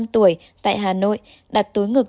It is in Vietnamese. năm mươi năm tuổi tại hà nội đặt túi ngực